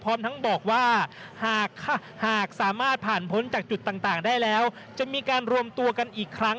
พร้อมทั้งบอกว่าหากสามารถผ่านพ้นจากจุดต่างได้แล้วจะมีการรวมตัวกันอีกครั้ง